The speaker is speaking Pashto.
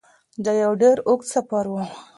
دا یو ډیر اوږد سفر و.